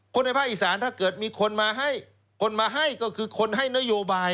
ในภาคอีสานถ้าเกิดมีคนมาให้คนมาให้ก็คือคนให้นโยบาย